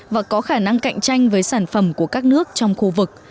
và có khả năng cạnh tranh với sản phẩm của các nước trong khu vực